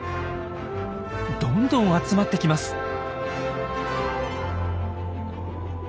どんどん集まってきます。